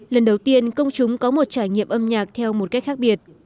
lần đầu tiên công chúng có một trải nghiệm âm nhạc theo một cách khác biệt